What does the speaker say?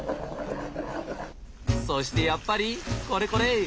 そしてやっぱりこれこれ！